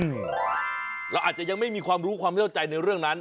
อืมแล้วอาจจะยังไม่มีความรู้ความเยอะใจในเรื่องนั้น